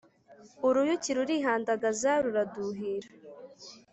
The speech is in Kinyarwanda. uruyuki rurihandagaza ruraduhira